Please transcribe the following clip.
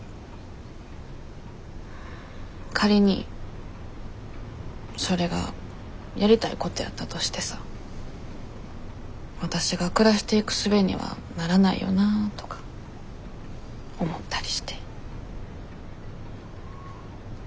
仮にそれがやりたいことやったとしてさわたしが暮らしていくすべにはならないよなとか思ったりして。